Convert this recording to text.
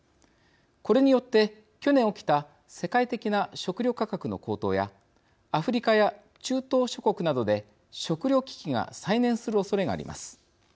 これによって、去年起きた世界的な食料価格の高騰やアフリカや中東諸国などで食料危機が再燃するおそれがあります。